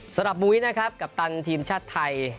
สำหรับบุวิทย์นะครับกัปตันทีมชาติไทย